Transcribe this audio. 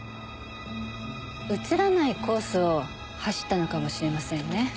映らないコースを走ったのかもしれませんね。